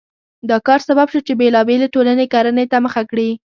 دا کار سبب شو چې بېلابېلې ټولنې کرنې ته مخه کړي.